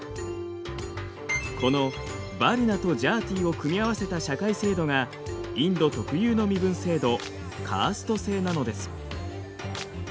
このヴァルナとジャーティを組み合わせた社会制度がインド特有の身分制度カースト制なのです。